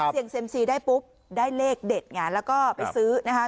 เซ็มซีได้ปุ๊บได้เลขเด็ดไงแล้วก็ไปซื้อนะคะ